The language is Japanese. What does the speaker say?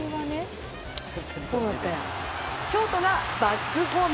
ショートがバックホーム。